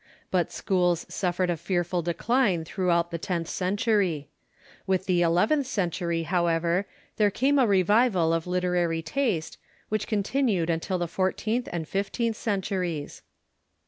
But schools suffered a fearful decline throughout the tenth century. With the elev enth century, however, there came a revival of literary taste, which continued until tlie fourteenth and fifteenth centuries.